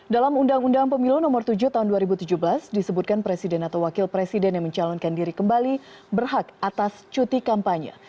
dalam undang undang pemilu nomor tujuh tahun dua ribu tujuh belas disebutkan presiden atau wakil presiden yang mencalonkan diri kembali berhak atas cuti kampanye